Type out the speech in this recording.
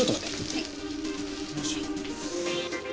はい。